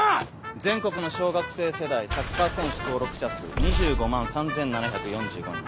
全国の小学生世代サッカー選手登録者数２５万３７４５人。